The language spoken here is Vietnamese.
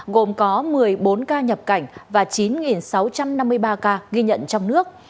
gồm có một mươi bốn ca nhập cảnh và chín sáu trăm năm mươi ba ca ghi nhận trong nước